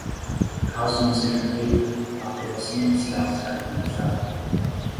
Caso não seja feita, a aprovação inicial será finalizada.